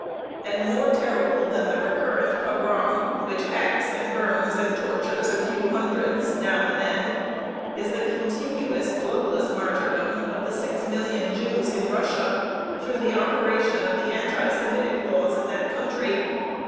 And more terrible than the recurrent pogrom, which hacks and burns and tortures a few hundreds now and then, is the continuous bloodless martyrdom of the six million Jews in Russia through the operation of the anti Semitic laws of that country.